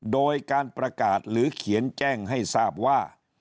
โดยการประกาศหรือเขียนแจ้งให้ทราบว่า